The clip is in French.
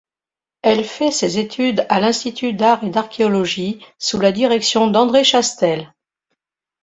Elle fait ses études à l’Institut d’art et d’archéologie sous la direction d’André Chastel.